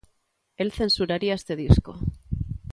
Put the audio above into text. El censuraría este disco.